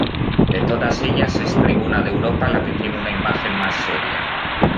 De todas ellas, es Tribuna de Europa la que tiene una imagen más seria.